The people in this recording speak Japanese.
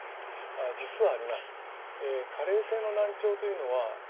実はあります。